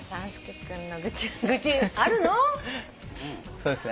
そうですね